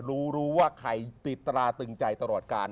รู้รู้ว่าใครติดตราตึงใจตลอดกาล